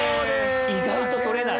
意外と採れない。